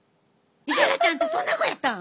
石原ちゃんってそんな子やったん！？